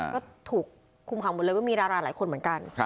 ก็ถูกคุมคำว่าเลยว่ามีราลาหลายคนเหมือนกัน